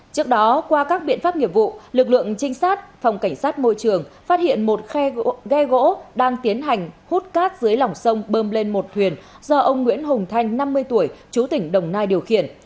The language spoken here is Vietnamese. trước đó qua các biện pháp nghiệp vụ lực lượng trinh sát phòng cảnh sát môi trường phát hiện một khe gỗ đang tiến hành hút cát dưới lòng sông bơm lên một thuyền do ông nguyễn hùng thanh năm mươi tuổi chú tỉnh đồng nai điều khiển